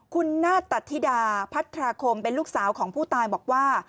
คุณนาฏตัดธิดาพัทราคมเป็นลูกสาวของผู้ตายบอกว่า